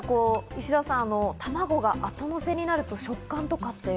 石田さん、卵が後乗せになると、食感とかって。